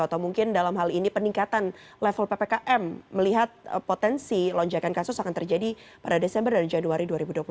atau mungkin dalam hal ini peningkatan level ppkm melihat potensi lonjakan kasus akan terjadi pada desember dan januari dua ribu dua puluh satu